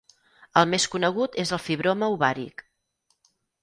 El més conegut és el fibroma ovàric.